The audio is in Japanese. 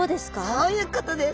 そういうことです。